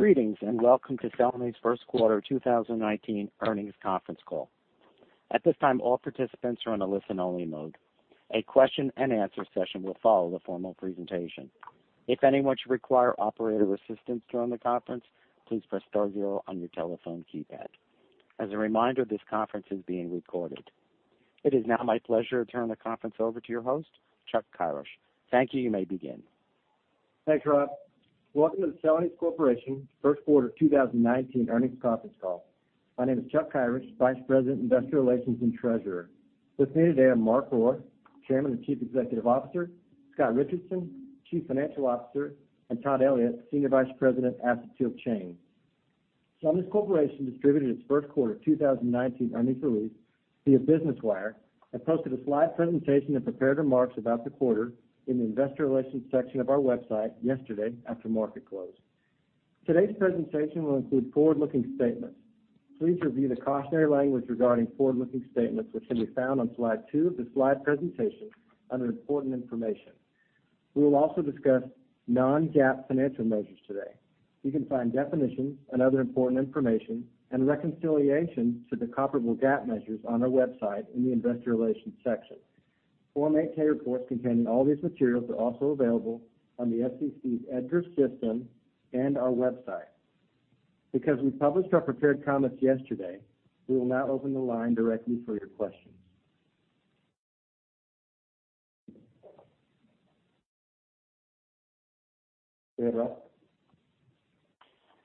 Greetings, welcome to Celanese first quarter 2019 earnings conference call. At this time, all participants are on a listen only mode. A question and answer session will follow the formal presentation. If anyone should require operator assistance during the conference, please press star zero on your telephone keypad. As a reminder, this conference is being recorded. It is now my pleasure to turn the conference over to your host, Chuck Kyrish. Thank you. You may begin. Thanks, Rob. Welcome to the Celanese Corporation first quarter 2019 earnings conference call. My name is Chuck Kyrish, Vice President, Investor Relations and Treasurer. With me today, I have Mark Rohr, Chairman and Chief Executive Officer, Scott Richardson, Chief Financial Officer, and Todd Elliott, Senior Vice President, Acetyl Chain. Celanese Corporation distributed its first quarter 2019 earnings release via Business Wire and posted a slide presentation of prepared remarks about the quarter in the investor relations section of our website yesterday after market close. Today's presentation will include forward-looking statements. Please review the cautionary language regarding forward-looking statements, which can be found on slide two of the slide presentation under important information. We will also discuss non-GAAP financial measures today. You can find definitions and other important information and reconciliation to the comparable GAAP measures on our website in the investor relations section. We published our prepared comments yesterday, we will now open the line directly for your questions. Go ahead, Rob.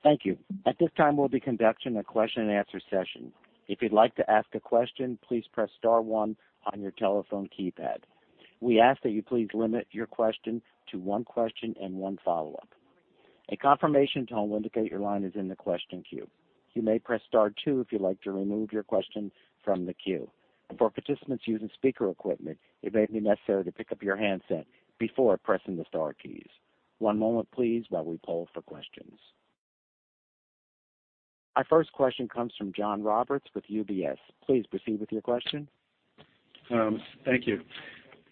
Thank you. At this time, we'll be conducting a question and answer session. If you'd like to ask a question, please press star one on your telephone keypad. We ask that you please limit your question to one question and one follow-up. A confirmation tone will indicate your line is in the question queue. You may press star two if you'd like to remove your question from the queue. For participants using speaker equipment, it may be necessary to pick up your handset before pressing the star keys. One moment please while we poll for questions. Our first question comes from John Roberts with UBS. Please proceed with your question. Thank you.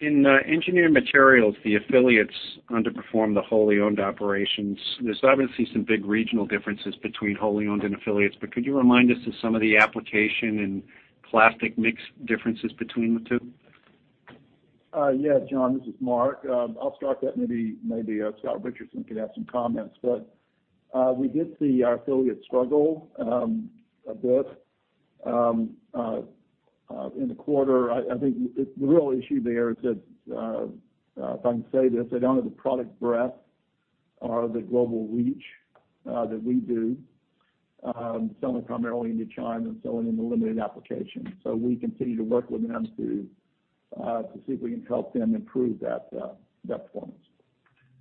In Engineering Materials, the affiliates underperform the wholly owned operations. There's obviously some big regional differences between wholly owned and affiliates, could you remind us of some of the application and plastic mix differences between the two? Yeah, John, this is Mark. I'll start that. Maybe Scott Richardson could add some comments. We did see our affiliates struggle a bit in the quarter. I think the real issue there is that, if I can say this, they don't have the product breadth or the global reach that we do. Some are primarily into China and selling in a limited application. We continue to work with them to see if we can help them improve that performance.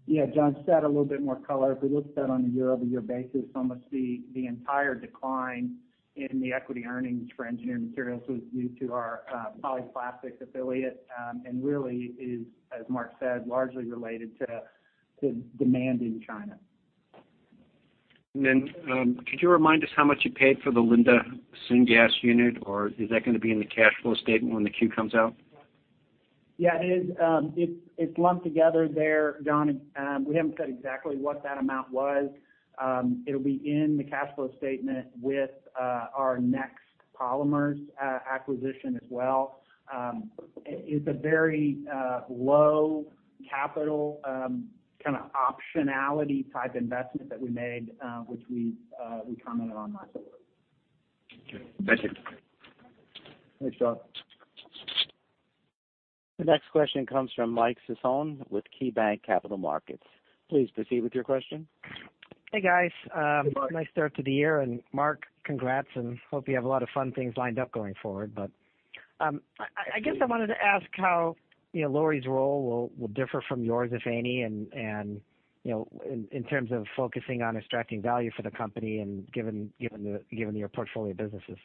Yeah, John, to add a little bit more color. If we look at that on a year-over-year basis, almost the entire decline in the equity earnings for Engineering Materials was due to our Polyplastics affiliate, and really is, as Mark said, largely related to demand in China. Could you remind us how much you paid for the Linde Syngas gas unit, or is that going to be in the cash flow statement when the Q comes out? Yeah, it is. It's lumped together there, John. We haven't said exactly what that amount was. It'll be in the cash flow statement with our Next Polymers acquisition as well. It's a very low capital kind of optionality type investment that we made, which we commented on last quarter. Okay. Thank you. Thanks, John. The next question comes from Michael Sison with KeyBanc Capital Markets. Please proceed with your question. Hey, guys. Hey, Mike. Nice start to the year. Mark, congrats and hope you have a lot of fun things lined up going forward. I guess I wanted to ask how Lori's role will differ from yours, if any, and in terms of focusing on extracting value for the company and given your portfolio of businesses.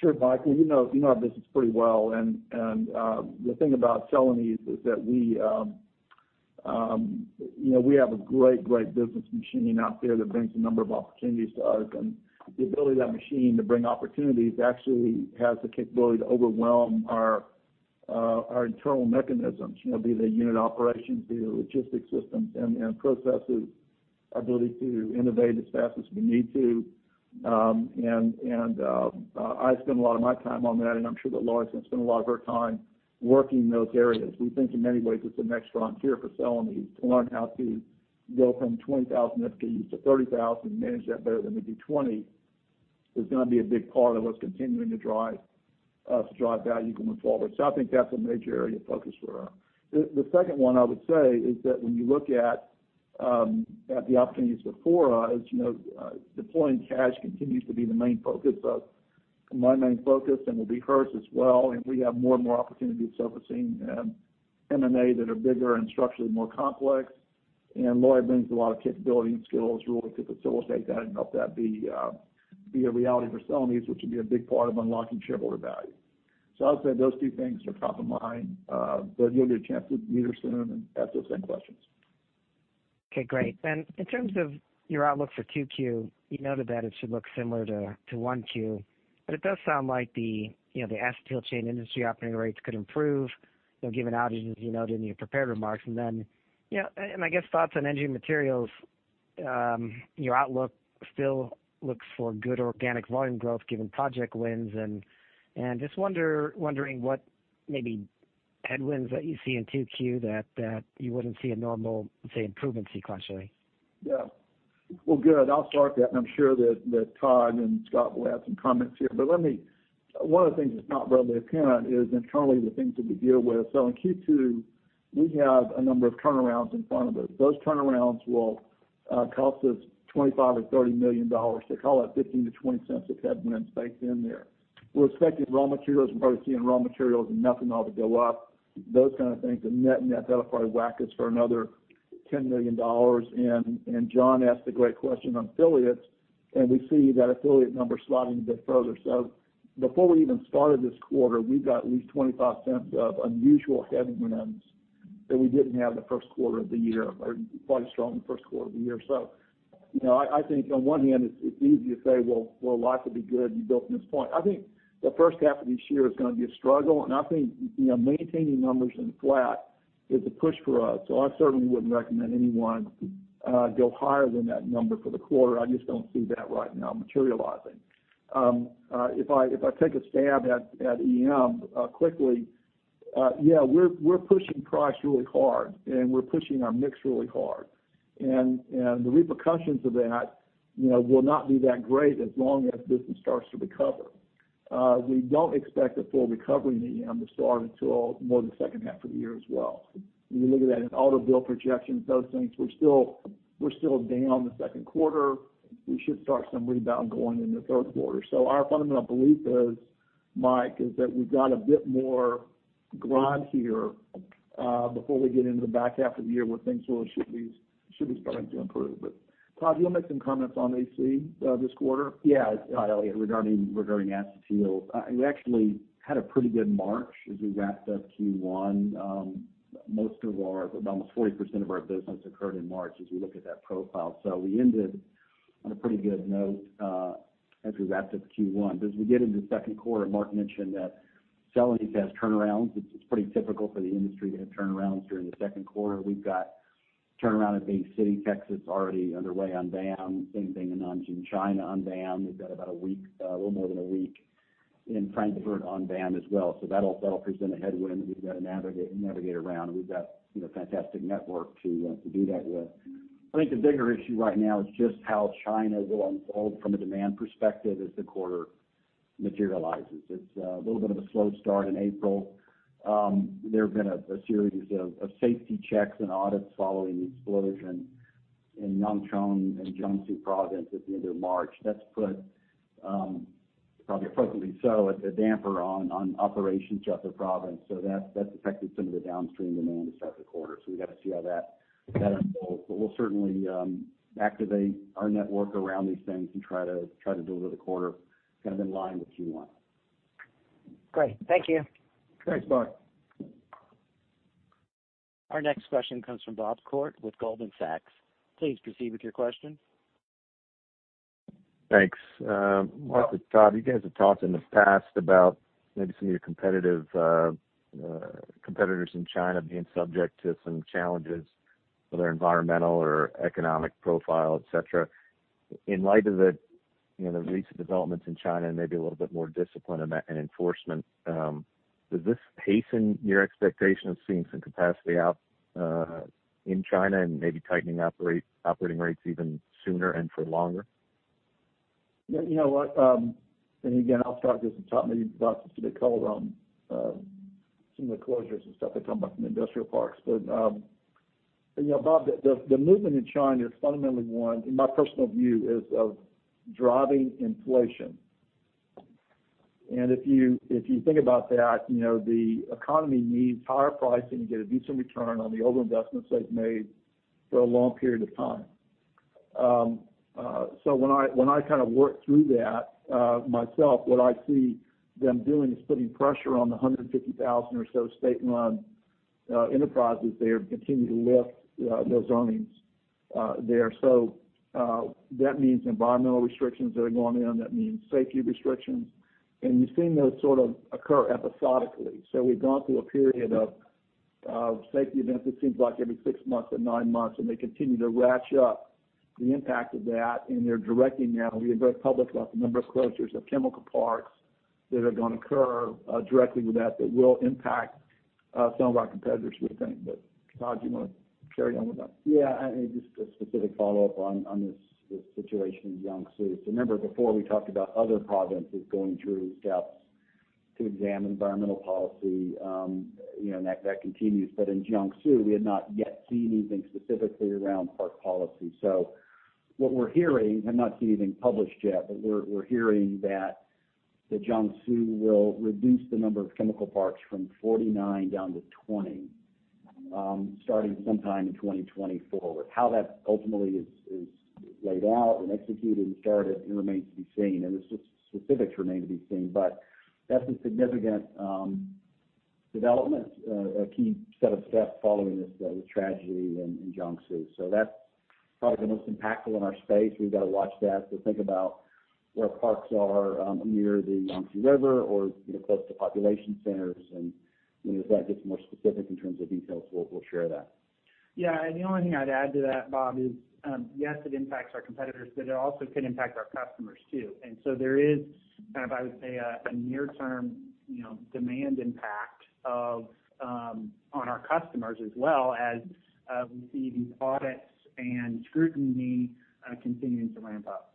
Sure, Mike. You know our business pretty well. The thing about Celanese is that we have a great business machine out there that brings a number of opportunities to us. The ability of that machine to bring opportunities actually has the capability to overwhelm our internal mechanisms, be they unit operations, be they logistic systems and processes, ability to innovate as fast as we need to. I spend a lot of my time on that, and I'm sure that Lori's going to spend a lot of her time working in those areas. We think in many ways it's the next frontier for Celanese to learn how to go from 20,000 FTEs to 30,000, manage that better than we do 20, is going to be a big part of what's continuing to drive us to drive value going forward. I think that's a major area of focus for her. The second one I would say is that when you look at the opportunities before us, deploying cash continues to be the main focus of my main focus and will be hers as well. We have more and more opportunities surfacing in M&A that are bigger and structurally more complex. Lori brings a lot of capability and skills really to facilitate that and help that be a reality for Celanese, which will be a big part of unlocking shareholder value. I would say those two things are top of mind. You'll get a chance to meet her soon and ask those same questions. Okay, great. In terms of your outlook for 2Q, you noted that it should look similar to 1Q, but it does sound like the Acetyl Chain industry operating rates could improve given outages you noted in your prepared remarks. I guess thoughts on Engineered Materials. Your outlook still looks for good organic volume growth given project wins. Just wondering what maybe headwinds that you see in 2Q that you wouldn't see a normal, say, improvement sequentially? Yeah. Well, good. I'll start that, and I'm sure that Todd and Scott will add some comments here. One of the things that's not readily apparent is internally the things that we deal with. In 2Q, we have a number of turnarounds in front of us. Those turnarounds will cost us $25 or $30 million. Call that $0.15 to $0.20 of headwinds baked in there. We're expecting raw materials, we're probably seeing raw materials and methanol to go up, those kind of things. Net, that'll probably whack us for another $10 million. John asked a great question on affiliates, and we see that affiliate number sliding a bit further. Before we even started this quarter, we've got at least $0.25 of unusual headwinds that we didn't have the first quarter of the year. We're quite strong in the first quarter of the year. I think on one hand it's easy to say, "Well, life will be good. You built this point." I think the first half of this year is going to be a struggle, and I think maintaining numbers in flat is a push for us. I certainly wouldn't recommend anyone go higher than that number for the quarter. I just don't see that right now materializing. If I take a stab at EM quickly, yeah, we're pushing price really hard, and we're pushing our mix really hard. The repercussions of that will not be that great as long as business starts to recover. We don't expect a full recovery in EM to start until more the second half of the year as well. When you look at that in auto build projections, those things, we're still down the second quarter. We should start some rebound going into third quarter. Our fundamental belief is, Mike, is that we've got a bit more grind here before we get into the back half of the year where things really should be starting to improve. Todd, do you want to make some comments on AC this quarter? Yeah. Elliot, regarding acetyl. We actually had a pretty good March as we wrapped up Q1. Almost 40% of our business occurred in March as we look at that profile. We ended on a pretty good note as we wrapped up Q1. As we get into second quarter, Mark mentioned that Celanese has turnarounds. It's pretty typical for the industry to have turnarounds during the second quarter. We've got turnaround at Bay City, Texas, already underway on VAM. Same thing in Nanjing, China on VAM. We've got a little more than a week in Frankfurt on VAM as well. That'll present a headwind we've got to navigate around. We've got a fantastic network to do that with. I think the bigger issue right now is just how China will unfold from a demand perspective as the quarter materializes. It's a little bit of a slow start in April. There have been a series of safety checks and audits following the explosion in Xiangshui, in Jiangsu Province at the end of March. That's put, probably appropriately so, a damper on operations throughout the province. That's affected some of the downstream demand to start the quarter. We've got to see how that unfolds. We'll certainly activate our network around these things and try to deliver the quarter kind of in line with Q1. Great. Thank you. Thanks, Mike. Our next question comes from Bob Koort with Goldman Sachs. Please proceed with your question. Thanks. Mark or Todd, you guys have talked in the past about maybe some of your competitors in China being subject to some challenges, whether environmental or economic profile, et cetera. In light of the recent developments in China and maybe a little bit more discipline and enforcement, does this hasten your expectation of seeing some capacity out in China and maybe tightening operating rates even sooner and for longer? You know what? Again, I'll start this, and Todd maybe you can talk specifically around some of the closures and stuff that come back from industrial parks. Bob, the movement in China is fundamentally one, in my personal view, is of driving inflation. If you think about that, the economy needs higher pricing to get a decent return on the overinvestments they've made for a long period of time. When I kind of work through that myself, what I see them doing is putting pressure on the 150,000 or so state-run enterprises there to continue to lift those earnings there. That means environmental restrictions that are going in, that means safety restrictions. You've seen those sort of occur episodically. We've gone through a period of safety events, it seems like every six months or nine months, and they continue to ratchet up the impact of that, and they're directing now. We had very public about the number of closures of chemical parks that are going to occur directly with that. That will impact some of our competitors, we think. Todd, do you want to carry on with that? Yeah. Just a specific follow-up on this situation in Jiangsu. Remember before we talked about other provinces going through steps to examine environmental policy, and that continues. In Jiangsu, we had not yet seen anything specifically around park policy. What we're hearing, have not seen anything published yet, but we're hearing that Jiangsu will reduce the number of chemical parks from 49 down to 20 starting sometime in 2024. How that ultimately is laid out and executed and started remains to be seen, and the specifics remain to be seen. That's a significant development, a key set of steps following this tragedy in Jiangsu. That's probably the most impactful in our space. We've got to watch that to think about where parks are near the Yangtze River or close to population centers. As that gets more specific in terms of details, we'll share that. Yeah. The only thing I'd add to that, Bob, is, yes, it impacts our competitors, but it also could impact our customers too. There is kind of, I would say, a near-term demand impact on our customers as well as we see these audits and scrutiny continuing to ramp up.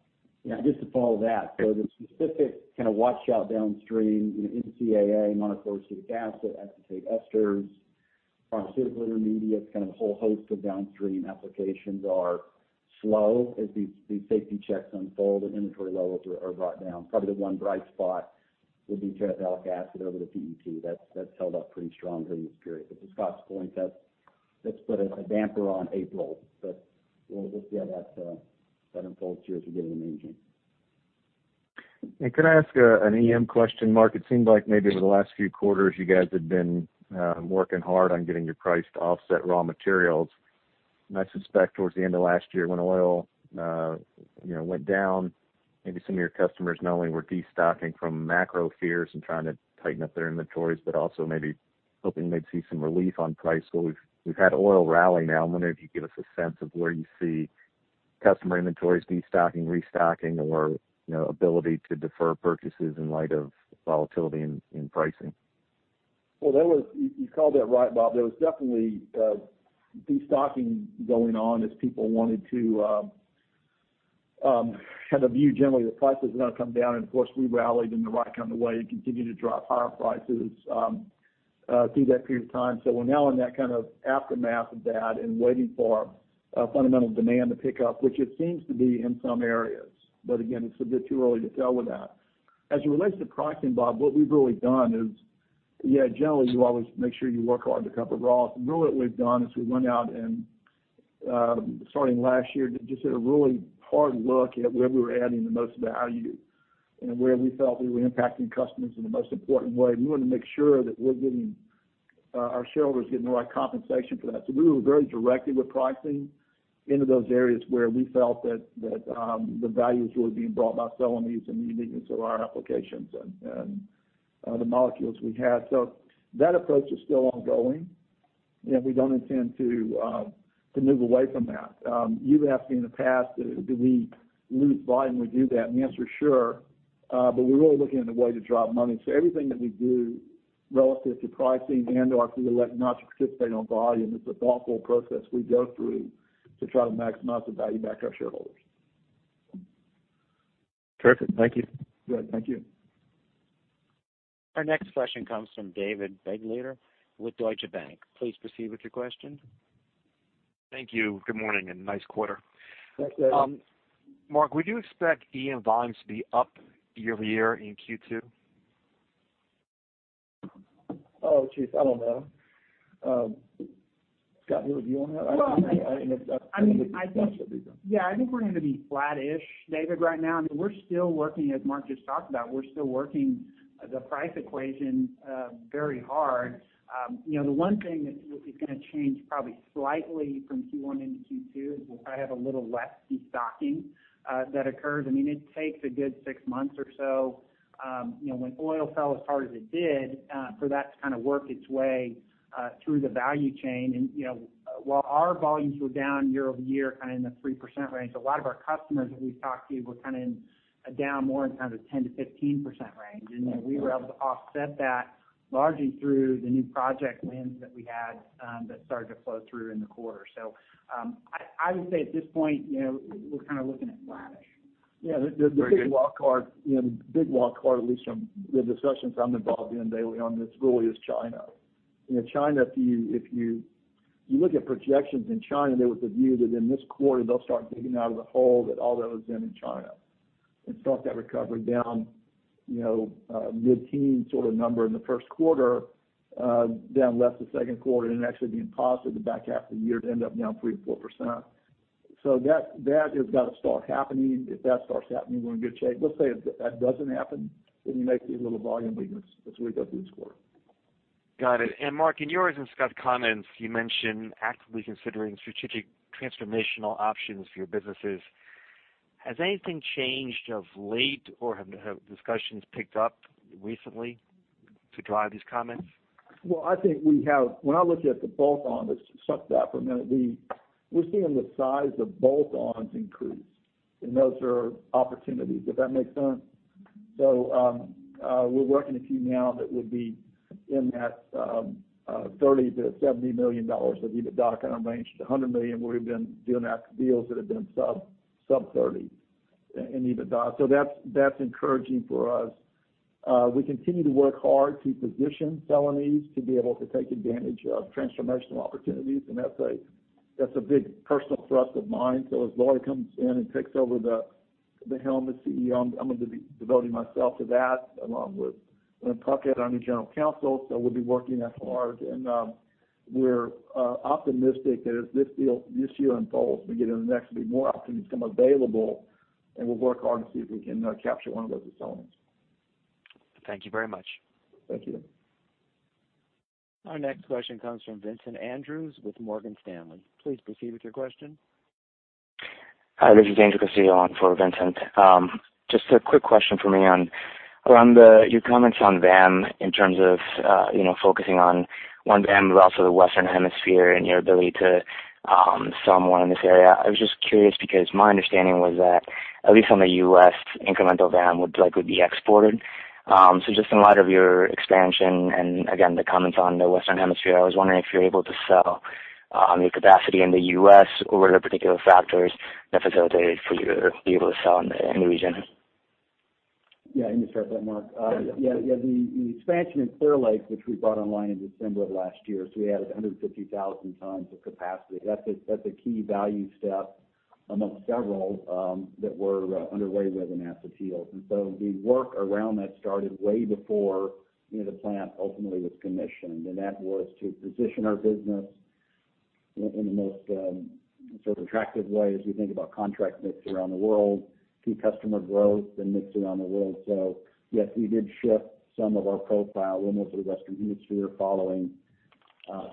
Yeah. Just to follow that. The specific kind of watch out downstream, MCA, monochloroacetic acid, acetate esters, pharmaceutical intermediates, kind of a whole host of downstream applications are slow as these safety checks unfold and inventory levels are brought down. Probably the one bright spot would be terephthalic acid over to PET. That's held up pretty strong through this period. To Scott's point, that's put a damper on April, but we'll just see how that unfolds here as we get into May and June. Could I ask an EM question, Mark? It seemed like maybe over the last few quarters, you guys had been working hard on getting your price to offset raw materials. I suspect towards the end of last year when oil went down, maybe some of your customers not only were destocking from macro fears and trying to tighten up their inventories, but also maybe hoping they'd see some relief on price. We've had oil rally now. I'm wondering if you could give us a sense of where you see customer inventories destocking, restocking, or ability to defer purchases in light of volatility in pricing. You called that right, Bob. There was definitely destocking going on as people wanted to have a view generally that prices are going to come down. Of course, we rallied in the right kind of way and continued to drive higher prices through that period of time. We're now in that kind of aftermath of that and waiting for fundamental demand to pick up, which it seems to be in some areas. Again, it's a bit too early to tell with that. As it relates to pricing, Bob, what we've really done is, yeah, generally, you always make sure you work hard to cover raw. Really what we've done is we went out and starting last year, just did a really hard look at where we were adding the most value and where we felt we were impacting customers in the most important way. We wanted to make sure that our shareholders are getting the right compensation for that. We were very directed with pricing into those areas where we felt that the value is really being brought by Celanese and the uniqueness of our applications and the molecules we have. That approach is still ongoing, and we don't intend to move away from that. You've asked me in the past, do we lose volume when we do that? The answer is sure, but we're really looking at a way to drive money. Everything that we do relative to pricing and/or through elect not to participate on volume, it's a thoughtful process we go through to try to maximize the value back to our shareholders. Perfect. Thank you. Good. Thank you. Our next question comes from David Begleiter with Deutsche Bank. Please proceed with your question. Thank you. Good morning, and nice quarter. Thanks, David. Mark, would you expect EM volumes to be up year-over-year in Q2? Oh, geez. I don't know. Scott, do you have a view on that? Well, I think we're going to be flattish, David, right now. We're still working, as Mark just talked about. We're still working the price equation very hard. The one thing that is going to change probably slightly from Q1 into Q2 is we'll probably have a little less destocking that occurs. It takes a good six months or so. When oil fell as hard as it did, for that to kind of work its way through the value chain. While our volumes were down year-over-year kind of in the 3% range, a lot of our customers that we've talked to were kind of down more in kind of the 10%-15% range. Then we were able to offset that largely through the new project wins that we had that started to flow through in the quarter. I would say at this point, we're kind of looking at flattish. Yeah. The big wildcard, at least from the discussions I'm involved in daily on this, really is China. China, if you look at projections in China, there was a view that in this quarter, they'll start digging out of the hole that all that has been in China and start that recovery down mid-teen sort of number in the first quarter, down less the second quarter, and then actually being positive the back half of the year to end up down 3%-4%. That has got to start happening. If that starts happening, we're in good shape. Let's say that doesn't happen, then you might see a little volume weakness as we go through this quarter. Got it. Mark, in yours and Scott's comments, you mentioned actively considering strategic transformational options for your businesses. Has anything changed of late, or have discussions picked up recently to drive these comments? Well, I think when I look at the bolt-on, let's start with that for a minute. We're seeing the size of bolt-ons increase, and those are opportunities. Does that make sense? We're working a few now that would be in that $30 million to $70 million of EBITDA kind of range to $100 million. We've been doing deals that have been sub $30 million in EBITDA. That's encouraging for us. We continue to work hard to position Celanese to be able to take advantage of transformational opportunities, and that's a big personal thrust of mine. As Lori comes in and takes over the helm as CEO, I'm going to be devoting myself to that, along with Lynne Puckett, our new General Counsel. We'll be working as hard, and we're optimistic that as this year unfolds, we get into next, maybe more opportunities come available, and we'll work hard to see if we can capture one of those at Celanese. Thank you very much. Thank you. Our next question comes from Vincent Andrews with Morgan Stanley. Please proceed with your question. Hi, this is Andrew Castillo on for Vincent. Just a quick question from me on around your comments on VAM in terms of focusing on one VAM, but also the Western Hemisphere and your ability to sell more in this area. I was just curious because my understanding was that at least some of the U.S. incremental VAM would likely be exported. Just in light of your expansion and again, the comments on the Western Hemisphere, I was wondering if you're able to sell your capacity in the U.S. or were there particular factors that facilitated for you to be able to sell in the region? Yeah. You can start that, Mark. Yeah. Yeah. The expansion in Clear Lake, which we brought online in December of last year. We added 150,000 tons of capacity. That's a key value step amongst several that were underway within asset deals. The work around that started way before the plant ultimately was commissioned, and that was to position our business in the most sort of attractive way as we think about contract mix around the world, key customer growth and mix around the world. Yes, we did shift some of our profile more to the Western Hemisphere following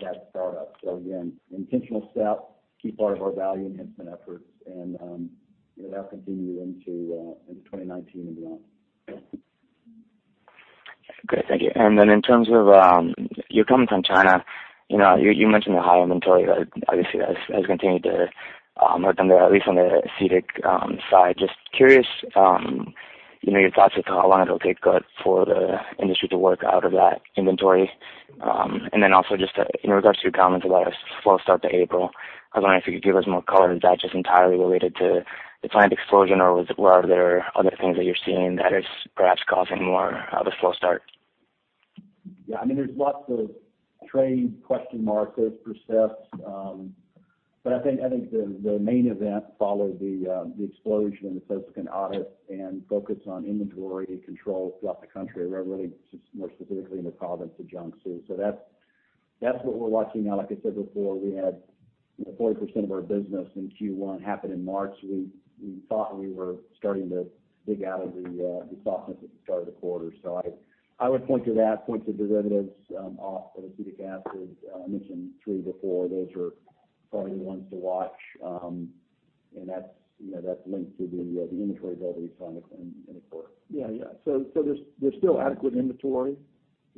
that startup. Again, intentional step, key part of our value enhancement efforts, and that'll continue into 2019 and beyond. Great. Thank you. In terms of your comments on China, you mentioned the high inventory that obviously has continued to work under, at least on the acetic side. Just curious, your thoughts of how long it'll take for the industry to work out of that inventory. Also just in regards to your comments about a slow start to April, I was wondering if you could give us more color. Is that just entirely related to the plant explosion, or were there other things that you're seeing that is perhaps causing more of a slow start? Yeah. There's lots of trade question marks, there's precepts. I think the main event followed the explosion in the Tianjiayi audit and focus on inventory control throughout the country. Really just more specifically in the province of Jiangsu. That's what we're watching now. Like I said before, we had 40% of our business in Q1 happen in March. We thought we were starting to dig out of the softness at the start of the quarter. I would point to that, point to derivatives off of acetic acid. I mentioned three before. Those are probably the ones to watch. That's linked to the inventory build we saw in the quarter. Yeah. There's still adequate inventory.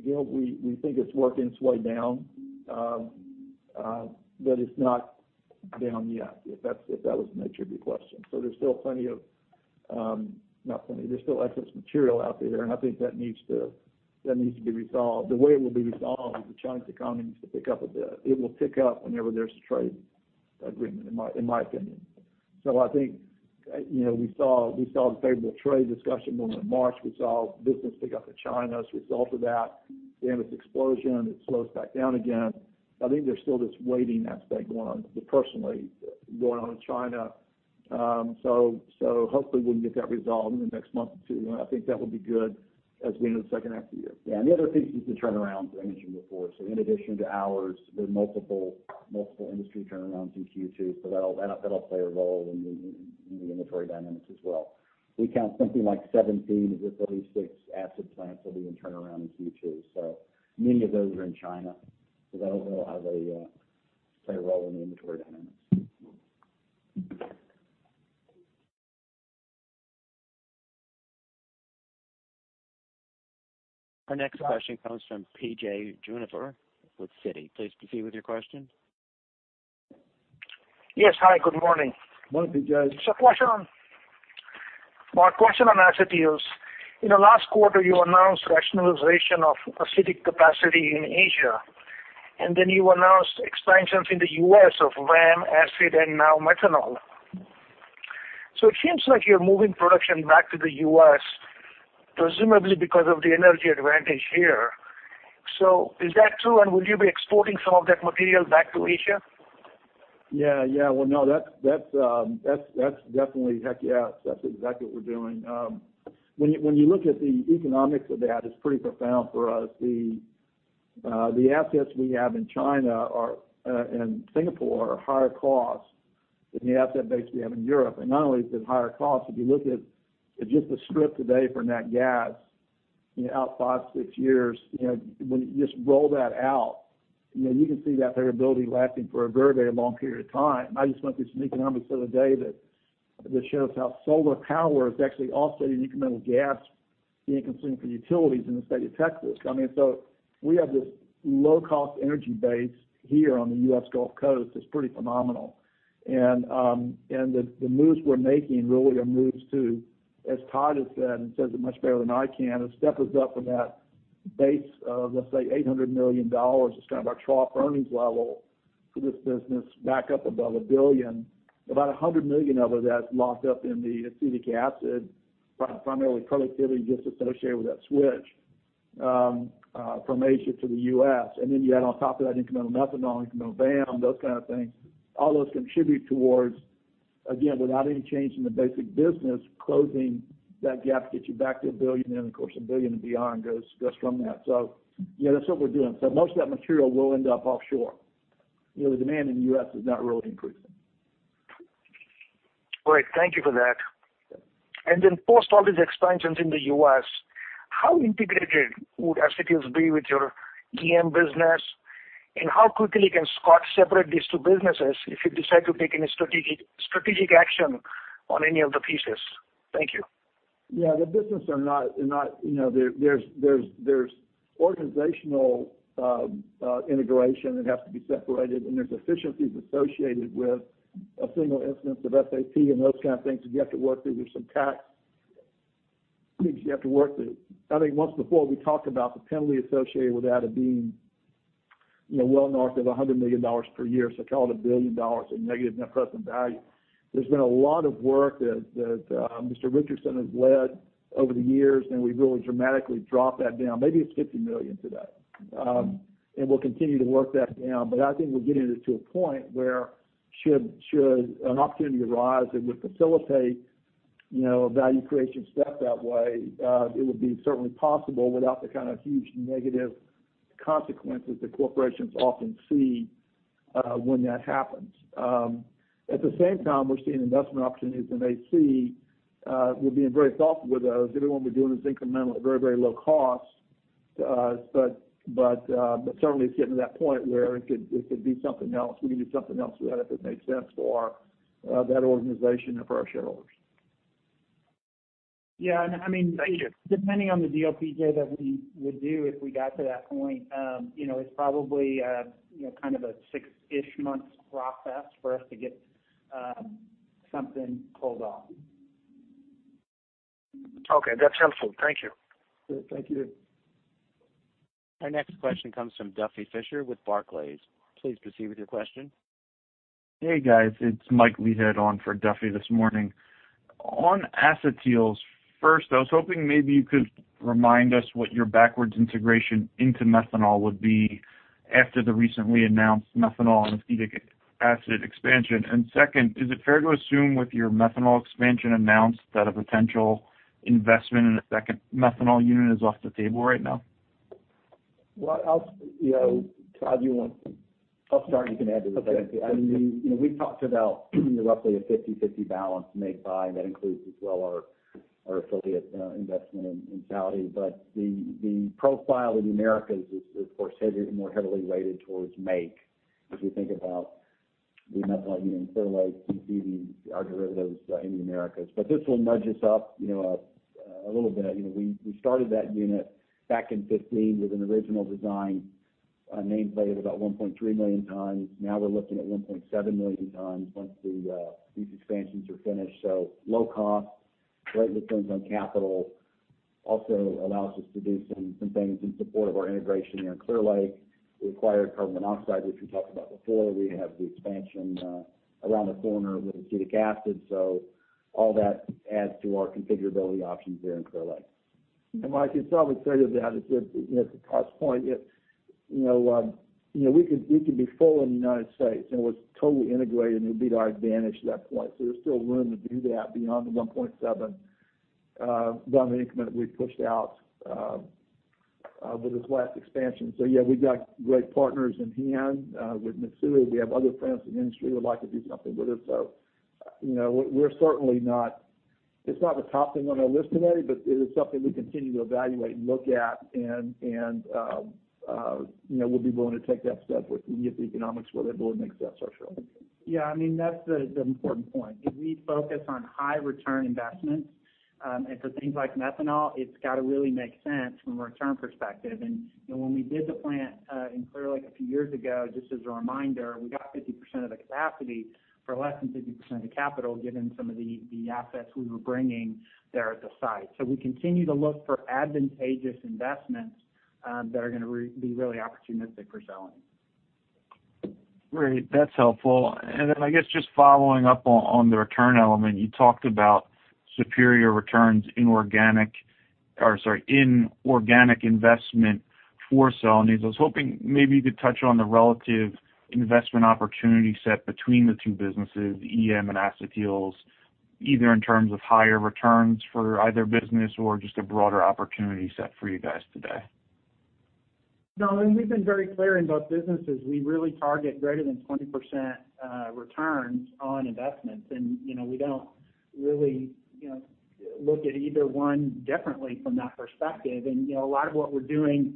We think it's worked its way down. It's not down yet, if that was the nature of your question. There's still excess material out there, and I think that needs to be resolved. The way it will be resolved is the Chinese economy needs to pick up a bit. It will pick up whenever there's a trade agreement, in my opinion. I think, we saw the favorable trade discussion moment in March. We saw business pick up in China as a result of that. This explosion, it slows back down again. I think there's still this waiting aspect going on, personally, going on in China. Hopefully we can get that resolved in the next month or two, and I think that would be good as we end the second half of the year. Yeah. The other piece is the turnarounds I mentioned before. In addition to ours, there are multiple industry turnarounds in Q2, so that'll play a role in the inventory dynamics as well. We count something like 17 to 36 acetic acid plants that'll be in turnaround in Q2. Many of those are in China. That'll play a role in the inventory dynamics. Our next question comes from PJ Juvekar with Citi. Please proceed with your question. Yes. Hi, good morning. Morning, PJ. Just a question on asset deals. In the last quarter, you announced rationalization of acetic capacity in Asia, then you announced expansions in the U.S. of VAM, acid, and now methanol. It seems like you're moving production back to the U.S., presumably because of the energy advantage here. Is that true, and will you be exporting some of that material back to Asia? Yeah. Well, no. Heck, yes. That's exactly what we're doing. When you look at the economics of that, it's pretty profound for us. The assets we have in China or in Singapore are higher cost than the asset base we have in Europe. Not only is it higher cost, if you look at just the strip today for natural gas, out five, six years, when you just roll that out, you can see that variability lasting for a very long period of time. I just went through some economics the other day that shows how solar power is actually offsetting incremental gas being consumed for utilities in the state of Texas. We have this low-cost energy base here on the U.S. Gulf Coast that's pretty phenomenal. The moves we're making really are moves to, as Todd has said, and says it much better than I can, it step us up from that base of, let's say, $800 million as kind of our trough earnings level for this business back up above a billion. About $100 million of that is locked up in the acetic acid, primarily productivity just associated with that switch from Asia to the U.S. Then you add on top of that incremental methanol, incremental VAM, those kind of things. All those contribute towards, again, without any change in the basic business, closing that gap gets you back to a billion. Then, of course, a billion and beyond goes from that. Yeah, that's what we're doing. Most of that material will end up offshore. The demand in the U.S. is not really increasing. Great. Thank you for that. Post all these expansions in the U.S., how integrated would Acetyls be with your EM business, and how quickly can Scott separate these two businesses if you decide to take any strategic action on any of the pieces? Thank you. Yeah. There's organizational integration that has to be separated, efficiencies associated with a single instance of SAP and those kind of things that you have to work through. There's some tax things you have to work through. I think once before we talked about the penalty associated with that of being well north of $100 million per year, call it $1 billion in negative net present value. There's been a lot of work that Mr. Richardson has led over the years, we've really dramatically dropped that down. Maybe it's $50 million today. We'll continue to work that down. I think we're getting it to a point where should an opportunity arise that would facilitate a value creation step that way, it would be certainly possible without the kind of huge negative consequences that corporations often see when that happens. At the same time, we're seeing investment opportunities in AC. We're being very thoughtful with those. Everyone we're doing is incremental at very low costs. Certainly it's getting to that point where it could be something else. We can do something else with that if it makes sense for that organization and for our shareholders. Yeah. Depending on the deal, PJ that we would do if we got to that point, it's probably a six-ish months process for us to get something pulled off. Okay. That's helpful. Thank you. Good. Thank you. Our next question comes from Duffy Fischer with Barclays. Please proceed with your question. Hey, guys. It's Mike Leithead on for Duffy this morning. On Acetyls, first, I was hoping maybe you could remind us what your backwards integration into methanol would be after the recently announced methanol and acetic acid expansion. Second, is it fair to assume with your methanol expansion announced, that a potential investment in a second methanol unit is off the table right now? Well, Todd, you want I'll start, and you can add to it. Okay. We've talked about roughly a 50/50 balance make/buy, and that includes as well our affiliate investment in Saudi. The profile in the Americas is, of course, more heavily weighted towards make, as we think about the methanol unit in Clear Lake, PTG, our derivatives in the Americas. This will nudge us up a little bit. We started that unit back in 2015 with an original design nameplate of about 1.3 million tons. Now we're looking at 1.7 million tons once these expansions are finished. Low cost, great returns on capital. Also allows us to do some things in support of our integration there in Clear Lake. We acquired carbon monoxide, which we talked about before. We have the expansion around the corner with acetic acid, all that adds to our configurability options there in Clear Lake. Mike, I'd probably tell you that it's a cost point. We could be full in the United States, and we're totally integrated, and it would be to our advantage at that point. There's still room to do that beyond the 1.7, beyond the increment we've pushed out with this last expansion. Yeah, we've got great partners in hand with Mitsui. We have other friends in the industry who would like to do something with us, so it's not the top thing on our list today, but it is something we continue to evaluate and look at, and we'll be willing to take that step if we can get the economics where they're willing to accept our share. Yeah. That's the important point, is we focus on high return investments. For things like methanol, it's got to really make sense from a return perspective. When we did the plant in Clear Lake a few years ago, just as a reminder, we got 50% of the capacity for less than 50% of the capital, given some of the assets we were bringing there at the site. We continue to look for advantageous investments that are going to be really opportunistic for Celanese. Great. That's helpful. I guess just following up on the return element, you talked about superior returns or sorry, in organic investment for Celanese. I was hoping maybe you could touch on the relative investment opportunity set between the two businesses, EM and Acetyls, either in terms of higher returns for either business or just a broader opportunity set for you guys today. No, we've been very clear in both businesses, we really target greater than 20% returns on investments. We don't really look at either one differently from that perspective. A lot of what we're doing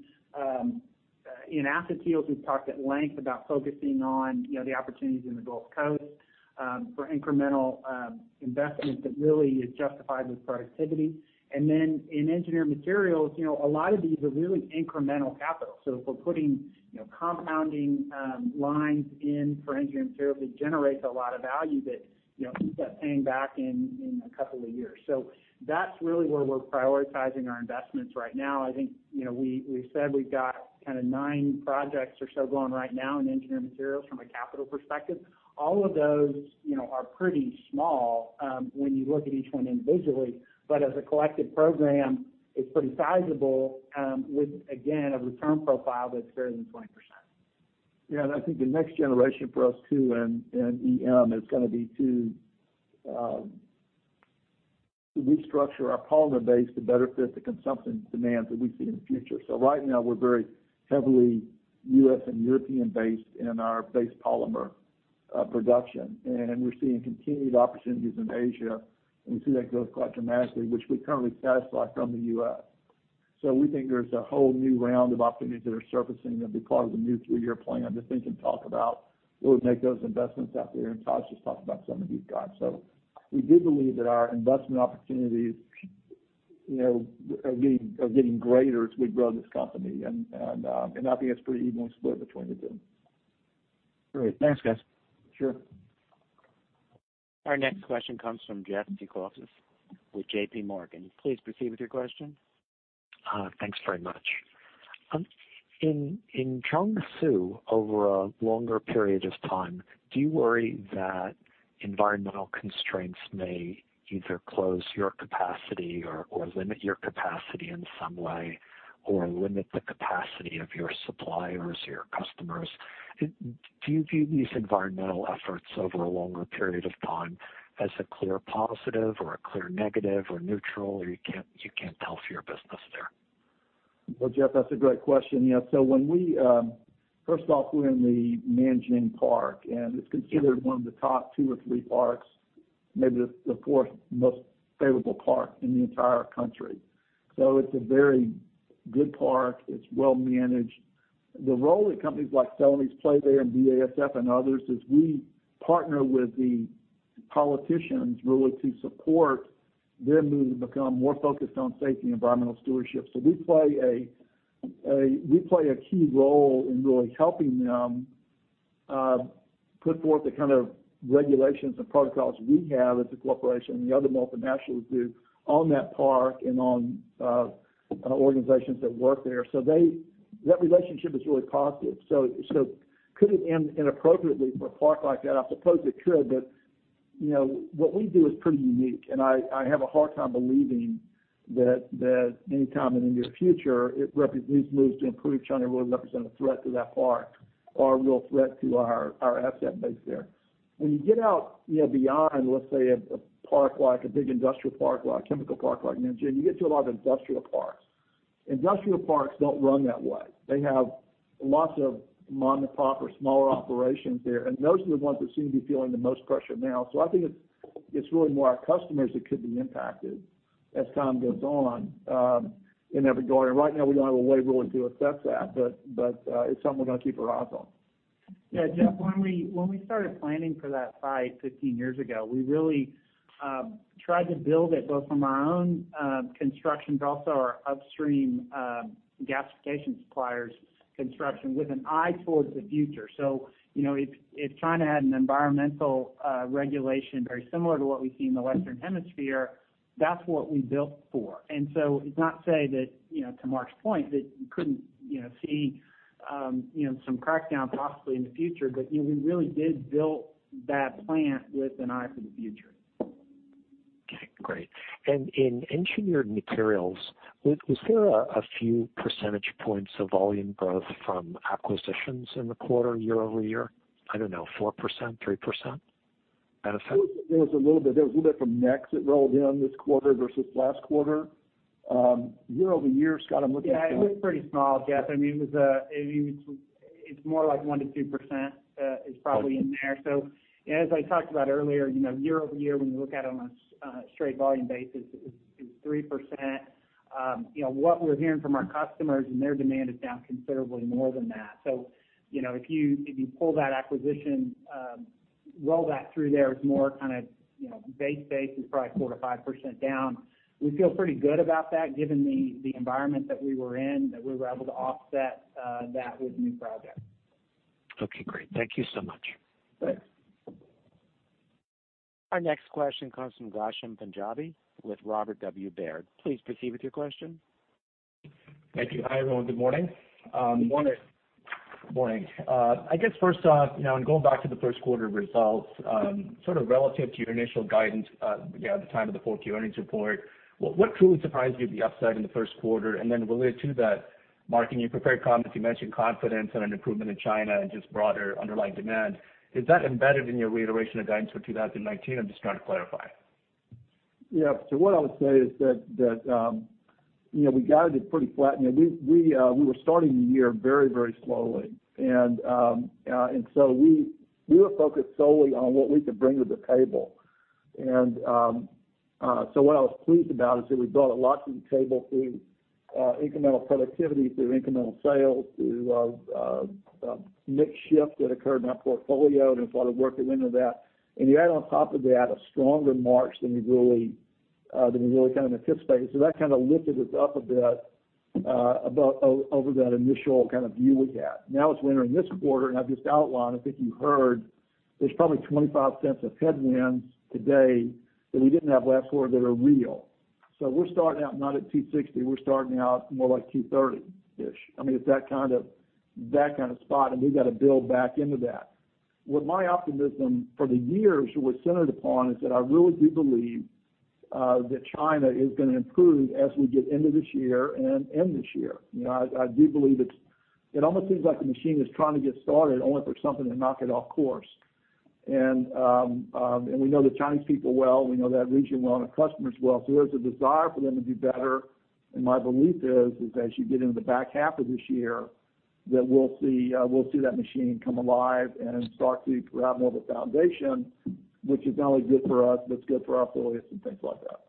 in Acetyls, we've talked at length about focusing on the opportunities in the Gulf Coast for incremental investments that really is justified with productivity. In Engineered Materials, a lot of these are really incremental capital. If we're putting compounding lines in for Engineered Materials, it generates a lot of value that keeps that paying back in a couple of years. That's really where we're prioritizing our investments right now. I think we said we've got nine projects or so going right now in Engineered Materials from a capital perspective. All of those are pretty small when you look at each one individually. As a collective program, it's pretty sizable with, again, a return profile that's greater than 20%. Yeah. I think the next generation for us, too, in EM is going to be to restructure our polymer base to better fit the consumption demands that we see in the future. Right now, we're very heavily U.S. and European based in our base polymer production. We're seeing continued opportunities in Asia. We see that growth quite dramatically, which we currently satisfy from the U.S. We think there's a whole new round of opportunities that are surfacing that'll be part of the new three-year plan that we can talk about that would make those investments out there, Todd's just talked about some of these guys. We do believe that our investment opportunities are getting greater as we grow this company, I think it's a pretty even split between the two. Great. Thanks, guys. Sure. Our next question comes from Jeff Eklof with JPMorgan. Please proceed with your question. Thanks very much. In Nanjing, over a longer period of time, do you worry that environmental constraints may either close your capacity or limit your capacity in some way, or limit the capacity of your suppliers, your customers? Do you view these environmental efforts over a longer period of time as a clear positive or a clear negative or neutral, or you can't tell for your business there? Jeff, that's a great question. First off, we're in the Nanjing Park, and it's considered one of the top two or three parks, maybe the fourth most favorable park in the entire country. It's a very good park. It's well managed. The role that companies like Celanese play there and BASF and others, is we partner with the politicians really to support their move to become more focused on safety and environmental stewardship. We play a key role in really helping them put forth the kind of regulations and protocols we have as a corporation and the other multinationals do on that park and on organizations that work there. That relationship is really positive. Could it end inappropriately for a park like that? I suppose it could, but what we do is pretty unique, and I have a hard time believing that any time in the near future, these moves to improve China will represent a threat to that park or a real threat to our asset base there. When you get out beyond, let's say, a park like a big industrial park, like a chemical park like Nanjing, you get to a lot of industrial parks. Industrial parks don't run that way. They have lots of mom-and-pop or smaller operations there, and those are the ones that seem to be feeling the most pressure now. I think it's really more our customers that could be impacted as time goes on in that regard. Right now, we don't have a way really to assess that, but it's something we're going to keep our eyes on. Yeah, Jeff, when we started planning for that site 15 years ago, we really tried to build it both from our own constructions, but also our upstream gasification suppliers construction with an eye towards the future. If China had an environmental regulation very similar to what we see in the Western Hemisphere, that's what we built for. It's not to say that, to Mark's point, that you couldn't see some crackdowns possibly in the future, but we really did build that plant with an eye for the future. Okay, great. In Engineered Materials, was there a few percentage points of volume growth from acquisitions in the quarter year-over-year? I don't know, 4%, 3% benefit? There was a little bit from NEX that rolled in this quarter versus last quarter. Year-over-year, Scott. It was pretty small, Jeff. It's more like 1%-2% is probably in there. As I talked about earlier, year-over-year, when you look at it on a straight volume basis, it was 3%. What we're hearing from our customers and their demand is down considerably more than that. If you pull that acquisition, roll that through there as more kind of base basis, probably 4%-5% down. We feel pretty good about that given the environment that we were in, that we were able to offset that with new projects. Okay, great. Thank you so much. Sure. Our next question comes from Ghansham Panjabi with Robert W. Baird. Please proceed with your question. Thank you. Hi, everyone. Good morning. Good morning. Good morning. I guess first off, in going back to the first quarter results, sort of relative to your initial guidance at the time of the 4Q earnings report, what truly surprised you the upside in the first quarter? Related to that, Mark, in your prepared comments, you mentioned confidence and an improvement in China and just broader underlying demand. Is that embedded in your reiteration of guidance for 2019? I'm just trying to clarify. Yeah. What I would say is that we guided it pretty flat, and we were starting the year very slowly. We were focused solely on what we could bring to the table. What I was pleased about is that we brought a lot to the table through incremental productivity, through incremental sales, through a mix shift that occurred in our portfolio and sort of working into that. You add on top of that a stronger March than we really kind of anticipated. That kind of lifted us up a bit over that initial kind of view we had. Now it's entering this quarter, and I've just outlined, I think you heard, there's probably $0.25 of headwinds today that we didn't have last quarter that are real. We're starting out not at 260. We're starting out more like 230-ish. It's that kind of spot, and we've got to build back into that. What my optimism for the year was centered upon is that I really do believe that China is going to improve as we get into this year and end this year. I do believe it almost seems like the machine is trying to get started, only for something to knock it off course. We know the Chinese people well, we know that region well, and the customers well. There's a desire for them to do better. My belief is, as you get into the back half of this year, that we'll see that machine come alive and start to have more of a foundation, which is not only good for us, but it's good for our affiliates and things like that.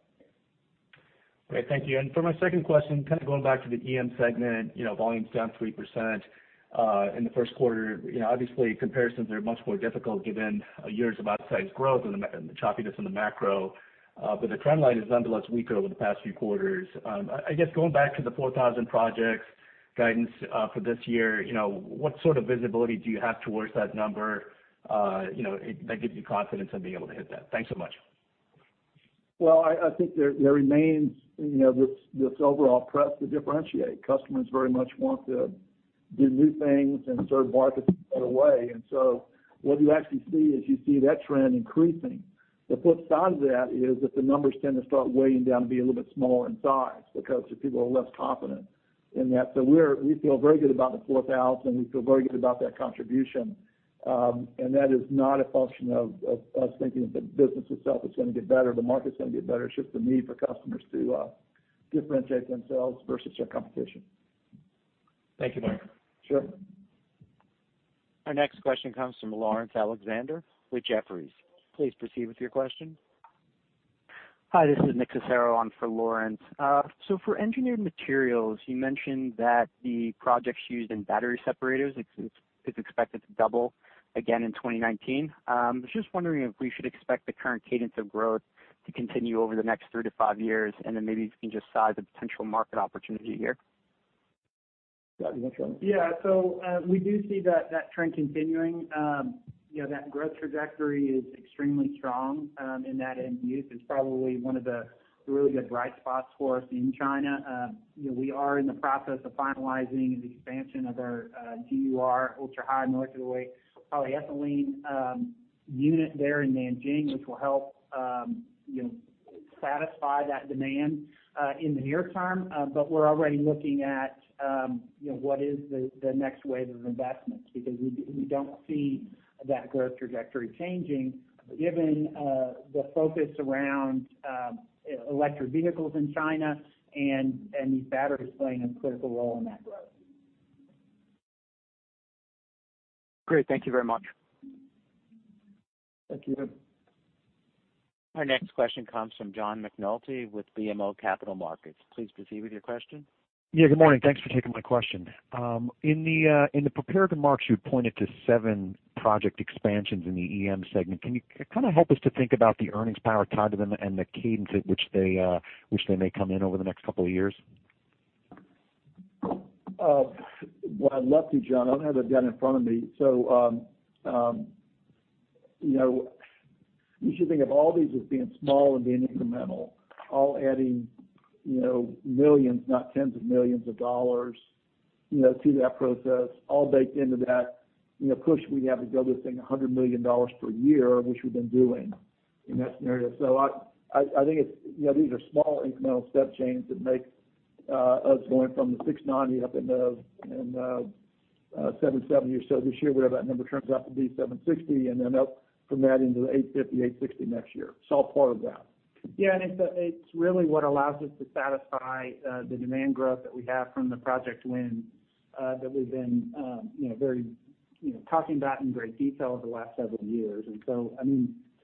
Great. Thank you. For my second question, going back to the EM segment, volumes down 3% in the first quarter. Obviously, comparisons are much more difficult given years of outsized growth and the choppiness in the macro. The trend line is nonetheless weaker over the past few quarters. I guess, going back to the 4,000 projects guidance for this year, what sort of visibility do you have towards that number, that gives you confidence in being able to hit that? Thanks so much. Well, I think there remains this overall press to differentiate. Customers very much want to do new things and serve markets in a better way. What you actually see is you see that trend increasing. The flip side of that is that the numbers tend to start weighing down and be a little bit smaller in size because the people are less confident in that. We feel very good about the 4,000. We feel very good about that contribution. That is not a function of us thinking that the business itself is going to get better, the market's going to get better. It's just the need for customers to differentiate themselves versus their competition. Thank you, Mark. Sure. Our next question comes from Laurence Alexander with Jefferies. Please proceed with your question. Hi, this is Nicholas Cecero. I'm for Laurence. For Engineered Materials, you mentioned that the projects used in battery separators is expected to double again in 2019. I was just wondering if we should expect the current cadence of growth to continue over the next three to five years, maybe if you can just size the potential market opportunity here. Scott, do you want a shot? Yeah. We do see that trend continuing. That growth trajectory is extremely strong in that end use. It's probably one of the really good bright spots for us in China. We are in the process of finalizing the expansion of our GUR ultra-high molecular weight polyethylene unit there in Nanjing, which will help satisfy that demand in the near term. We're already looking at what is the next wave of investments, because we don't see that growth trajectory changing given the focus around electric vehicles in China and these batteries playing a critical role in that growth. Great. Thank you very much. Thank you. Our next question comes from John McNulty with BMO Capital Markets. Please proceed with your question. Good morning. Thanks for taking my question. In the prepared remarks, you pointed to seven project expansions in the EM segment. Can you help us to think about the earnings power tied to them and the cadence at which they may come in over the next couple of years? Well, I'd love to, John. I don't have it done in front of me. You should think of all these as being small and being incremental, all adding millions, not tens of millions of dollars, to that process, all baked into that. We have to build this thing $100 million per year, which we've been doing in that scenario. I think these are small incremental step changes that make us going from the $690 up in the $770 or so this year, whatever that number turns out to be, $760, and then up from that into the $850, $860 next year. It's all part of that. Yeah, it's really what allows us to satisfy the demand growth that we have from the project win that we've been talking about in great detail over the last several years. To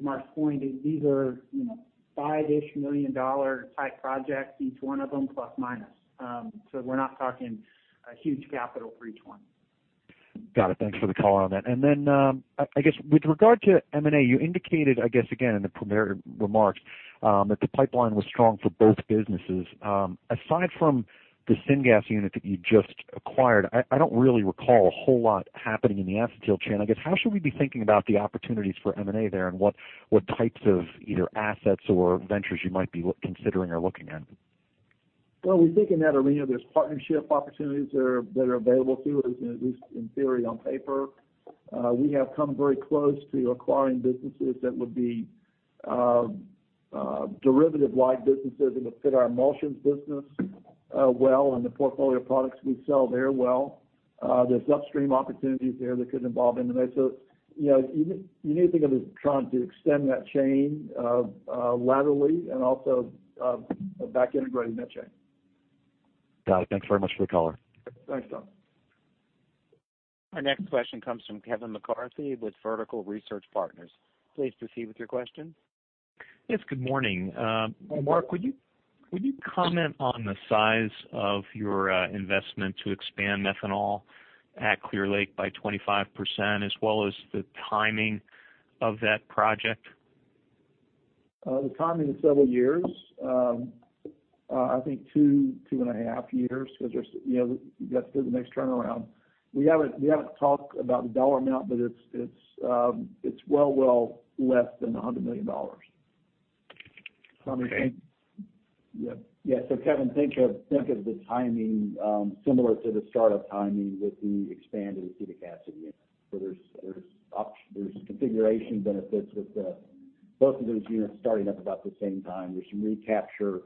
Mark's point, these are five-ish million dollar type projects, each one of them, plus/minus. We're not talking a huge capital for each one. Got it. Thanks for the color on that. Then, I guess, with regard to M&A, you indicated, I guess again in the prepared remarks, that the pipeline was strong for both businesses. Aside from the syngas unit that you just acquired, I don't really recall a whole lot happening in the acetyl chain. I guess, how should we be thinking about the opportunities for M&A there and what types of either assets or ventures you might be considering or looking at? Well, we think in that arena, there's partnership opportunities that are available to us, at least in theory, on paper. We have come very close to acquiring businesses that would be derivative-like businesses that would fit our emulsions business well and the portfolio of products we sell there well. There's upstream opportunities there that could involve M&A. You need to think of us trying to extend that chain laterally and also back integrating that chain. Got it. Thanks very much for the color. Thanks, John. Our next question comes from Kevin McCarthy with Vertical Research Partners. Please proceed with your question. Yes, good morning. Good morning. Mark, would you comment on the size of your investment to expand methanol at Clear Lake by 25%, as well as the timing of that project? The timing is several years. I think two and a half years, because you have to do the next turnaround. We haven't talked about the dollar amount, but it's well less than $100 million. Okay. Yeah. Kevin, think of the timing similar to the startup timing with the expanded acetic acid unit. There's configuration benefits with both of those units starting up about the same time. There's some recapture.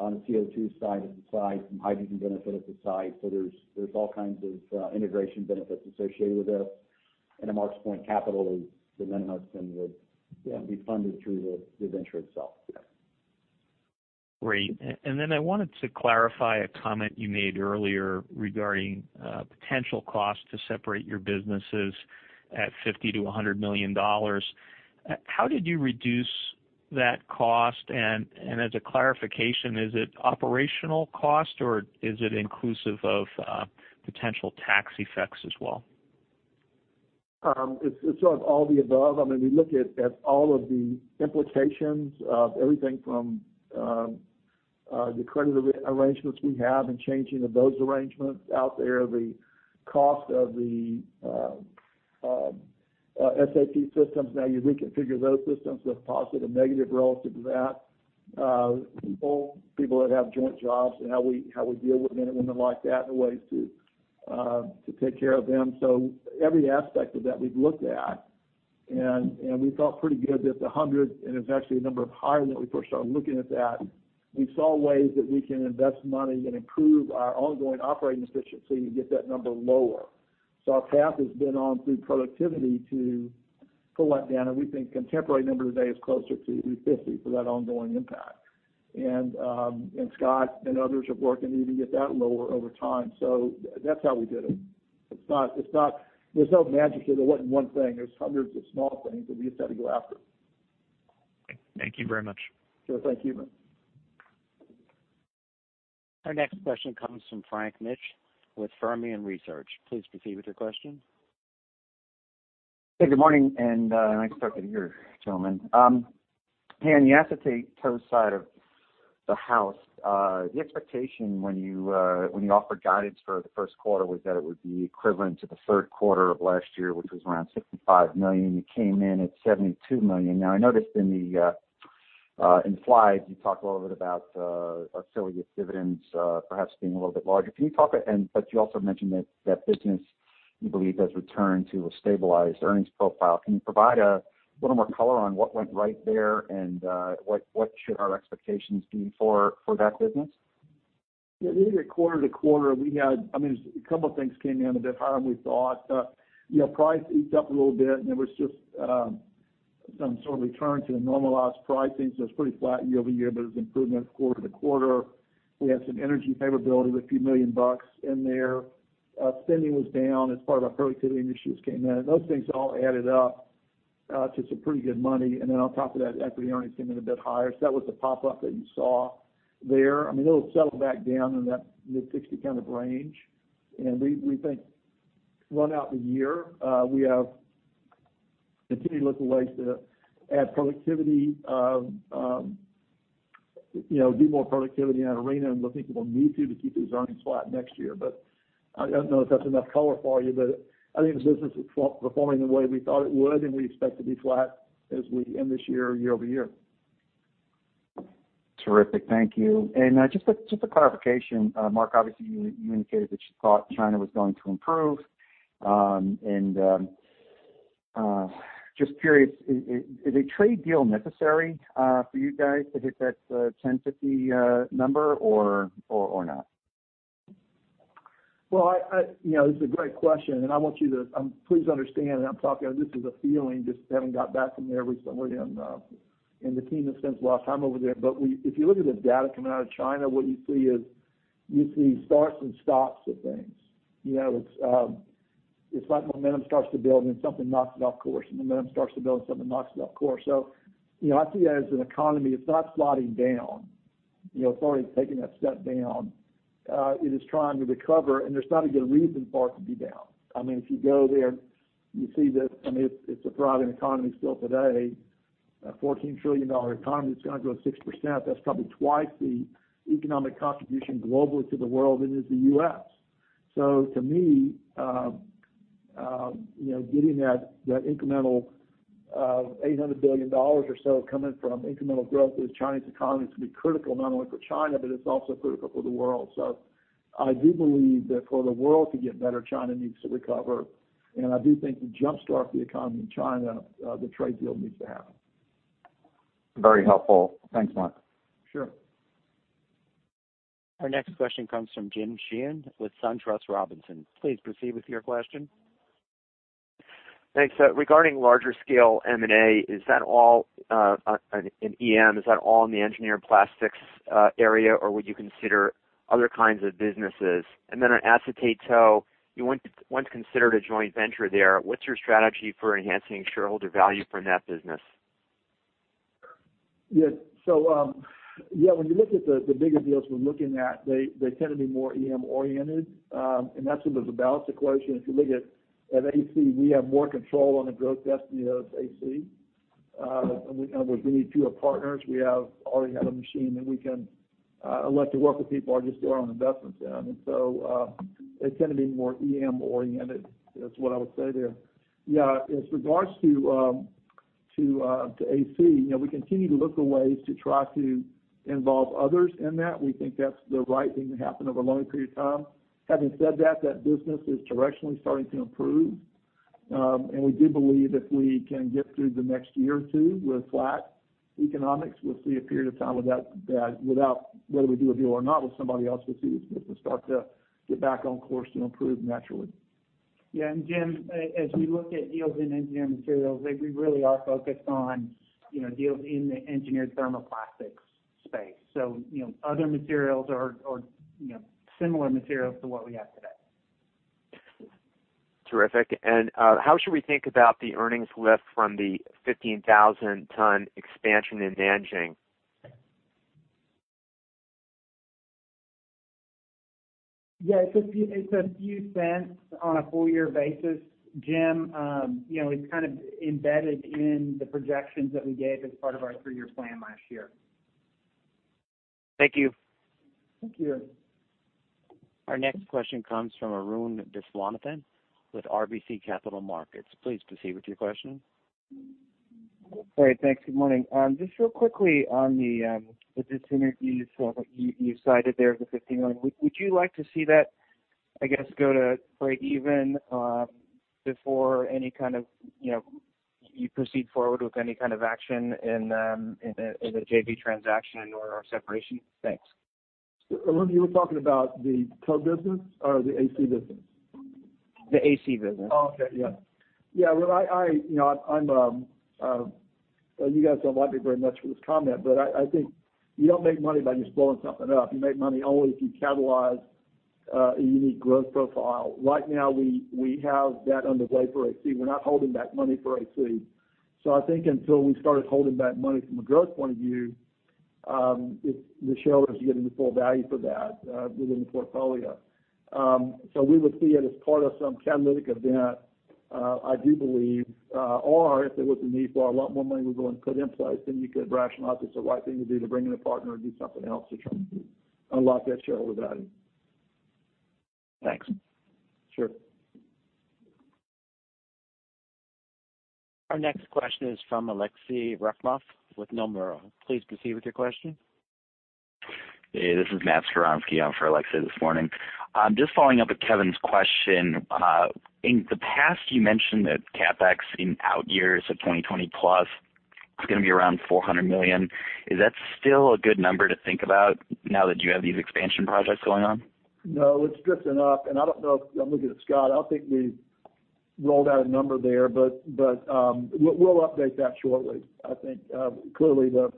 On the CO2 side of the site, some hydrogen benefit of the site. There's all kinds of integration benefits associated with it. To Mark's point, capital is the minimum and would be funded through the venture itself. Great. I wanted to clarify a comment you made earlier regarding potential cost to separate your businesses at $50 million-$100 million. How did you reduce that cost? As a clarification, is it operational cost or is it inclusive of potential tax effects as well? It's sort of all the above. We look at all of the implications of everything from the credit arrangements we have and changing of those arrangements out there, the cost of the SAP systems. Now you reconfigure those systems, there's positive, negative relative to that. People that have joint jobs and how we deal with men and women like that and ways to take care of them. Every aspect of that we've looked at, and we felt pretty good that the 100, and it was actually a number higher when we first started looking at that. We saw ways that we can invest money and improve our ongoing operating efficiency to get that number lower. Our path has been on through productivity to pull that down, and we think contemporary number today is closer to 50 for that ongoing impact. Scott and others are working to even get that lower over time. That's how we did it. There's no magic here. There wasn't one thing. There's hundreds of small things that we just had to go after. Thank you very much. Sure. Thank you. Our next question comes from Frank Mitsch with Fermium Research. Please proceed with your question. Hey, good morning, nice to talk with you, gentlemen. On the acetate tow side of the house, the expectation when you offered guidance for the first quarter was that it would be equivalent to the third quarter of last year, which was around $65 million. You came in at $72 million. I noticed in the slides you talked a little bit about affiliate dividends perhaps being a little bit larger. You also mentioned that that business, you believe, has returned to a stabilized earnings profile. Can you provide a little more color on what went right there and what should our expectations be for that business? We did quarter-to-quarter. A couple of things came in a bit higher than we thought. Price eased up a little bit. There was just some sort of return to the normalized pricing. It's pretty flat year-over-year, but it was improvement quarter-to-quarter. We had some energy favorability with a few million dollars in there. Spending was down as part of our productivity initiatives came in. Those things all added up to some pretty good money. On top of that, equity earnings came in a bit higher. That was the pop-up that you saw there. It'll settle back down in that mid-60 kind of range. We think run out the year, we have continued to look at ways to add productivity, do more productivity in that arena. We'll think we'll need to keep these earnings flat next year. I don't know if that's enough color for you, but I think the business is performing the way we thought it would. We expect to be flat as we end this year-over-year. Terrific. Thank you. Just a clarification. Mark, obviously, you indicated that you thought China was going to improve. Just curious, is a trade deal necessary for you guys to hit that 1050 number or not? This is a great question. Please understand that I'm talking, this is a feeling, just having got back from there recently. The team has spent a lot of time over there. If you look at the data coming out of China, what you see is, you see starts and stops of things. It's like momentum starts to build. Something knocks it off course. Momentum starts to build. Something knocks it off course. I see it as an economy. It's not sliding down. It's already taken that step down. It is trying to recover. There's not a good reason for it to be down. If you go there, you see this. It's a thriving economy still today, a $14 trillion economy that's going to grow 6%. That's probably twice the economic contribution globally to the world than is the U.S. To me, getting that incremental $800 billion or so coming from incremental growth of the Chinese economy is going to be critical not only for China, but it's also critical for the world. I do believe that for the world to get better, China needs to recover. I do think to jumpstart the economy in China, the trade deal needs to happen. Very helpful. Thanks, Mark. Sure. Our next question comes from James Sheehan with SunTrust Robinson. Please proceed with your question. Thanks. Regarding larger scale M&A in EM, is that all in the engineered plastics area, or would you consider other kinds of businesses? Then on acetate tow, you once considered a joint venture there. What's your strategy for enhancing shareholder value from that business? Yeah. When you look at the bigger deals we're looking at, they tend to be more EM oriented. That's because of the balance equation. If you look at AC, we have more control on the growth destiny of AC. In other words, we need fewer partners. We already have a machine that we can elect to work with people or just do our own investments in. They tend to be more EM oriented. That's what I would say there. Yeah, in regards to AC, we continue to look at ways to try to involve others in that. We think that's the right thing to happen over a longer period of time. Having said that business is directionally starting to improve. We do believe if we can get through the next year or two with flat economics, we'll see a period of time without whether we do a deal or not with somebody else, we'll start to get back on course and improve naturally. Yeah. James, as we look at deals in Engineered Materials, we really are focused on deals in the engineered thermoplastics space. Other materials or similar materials to what we have today. Terrific. How should we think about the earnings lift from the 15,000 ton expansion in Nanjing? Yeah. It's a few cents on a full year basis, James. It's kind of embedded in the projections that we gave as part of our three-year plan last year. Thank you. Thank you. Our next question comes from Arun Viswanathan with RBC Capital Markets. Please proceed with your question. All right. Thanks. Good morning. Just real quickly on the synergies that you cited there, the $15 million, would you like to see that, I guess, go to break even before you proceed forward with any kind of action in the JV transaction or separation? Thanks. Arun, you were talking about the acetate tow business or the AC business? The AC business. Okay, yeah. You guys don't like me very much for this comment, I think you don't make money by just blowing something up. You make money only if you catalyze a unique growth profile. Right now, we have that underway for AC. We're not holding back money for AC. I think until we started holding back money from a growth point of view, the shareholders are getting the full value for that within the portfolio. We would see it as part of some catalytic event, I do believe, or if there was a need for a lot more money we're going to put in place, then you could rationalize it's the right thing to do to bring in a partner or do something else to try and unlock that shareholder value. Thanks. Sure. Our next question is from Aleksey Yefremov with Nomura. Please proceed with your question. Hey, this is Matthew Skarupski on for Aleksey this morning. Just following up with Kevin's question. In the past, you mentioned that CapEx in out years of 2020 plus is going to be around $400 million. Is that still a good number to think about now that you have these expansion projects going on? No, it's drifting up, and I don't know. I'm looking at Scott. I don't think we've rolled out a number there, but we'll update that shortly, I think. Clearly, the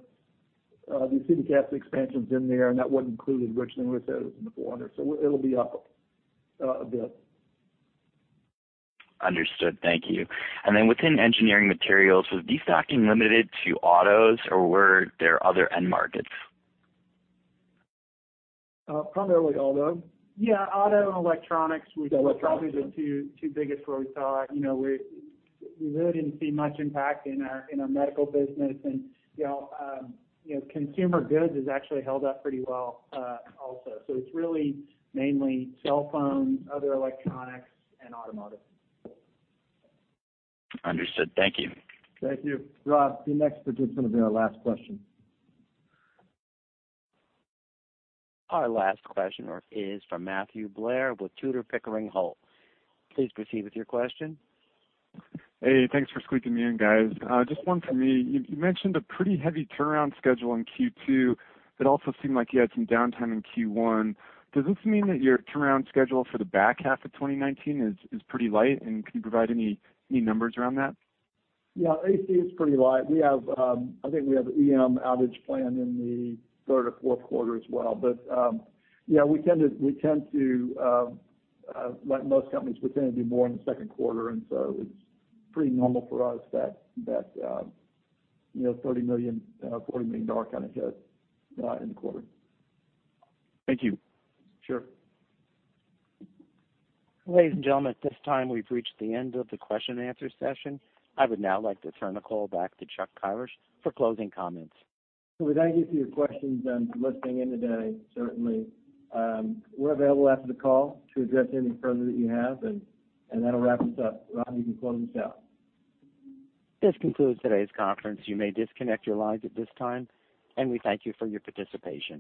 CDCast expansion's in there, and that wasn't included originally with those in the $400. It'll be up a bit. Understood. Thank you. Then within Engineered Materials, was destocking limited to autos or were there other end markets? Primarily auto. Yeah. Auto and electronics were. That was auto. The two biggest where we saw it. We really didn't see much impact in our medical business. Consumer goods has actually held up pretty well also. It's really mainly cell phones, other electronics and automotive. Understood. Thank you. Thank you. Bob, the next will be our last question. Our last questioner is from Matthew Blair with Tudor, Pickering, Holt. Please proceed with your question. Hey, thanks for squeezing me in, guys. Just one for me. You mentioned a pretty heavy turnaround schedule in Q2. It also seemed like you had some downtime in Q1. Does this mean that your turnaround schedule for the back half of 2019 is pretty light, and can you provide any numbers around that? Yeah, AC is pretty light. I think we have EM outage planned in the third or fourth quarter as well. Yeah, like most companies, we tend to do more in the second quarter, it's pretty normal for us, that $30 million, $40 million kind of hit in the quarter. Thank you. Sure. Ladies and gentlemen, at this time, we've reached the end of the question and answer session. I would now like to turn the call back to Chuck Kyrish for closing comments. We thank you for your questions and for listening in today, certainly. We're available after the call to address any further that you have, that'll wrap us up. Bob, you can close us out. This concludes today's conference. You may disconnect your lines at this time, and we thank you for your participation.